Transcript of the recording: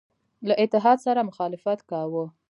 له اتحاد سره مخالفت کاوه.